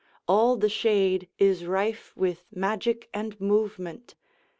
All the shadeIs rife with magic and movement.